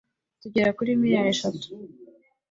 tugera kuri miriyari esheshatu!